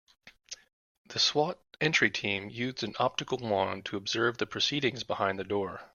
The S.W.A.T. entry team used an optical wand to observe the proceedings behind the door.